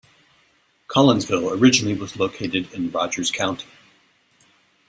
Collinsville originally was located in Rogers County.